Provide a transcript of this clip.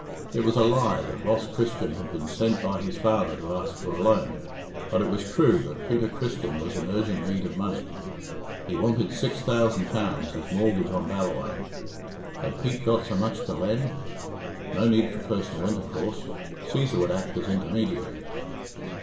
It was a lie that Ross Christian had been sent by his father to ask for a loan, but it was true that Peter Christian was in urgent need of money. He wanted six thousand pounds as mortgage on Ballawhaine. Had Pete got so much to lend? No need for personal intercourse; Cæsar would act as intermediary.